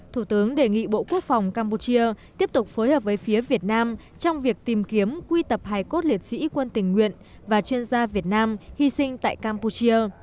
thủ tướng đề nghị bộ quốc phòng campuchia tiếp tục phối hợp với phía việt nam trong việc tìm kiếm quy tập hải cốt liệt sĩ quân tình nguyện và chuyên gia việt nam hy sinh tại campuchia